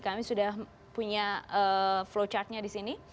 kami sudah punya flowchart nya di sini